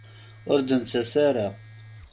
Ur d-nettas ara.